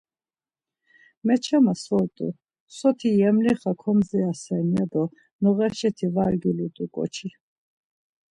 Meçama so’rt̆u, soti Yemlixa komdzirasen ya do noğaşati var gyulut̆u ǩoçi.